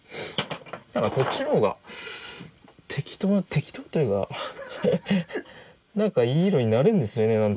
何かこっちの方が適当適当というか何かいい色になるんですよね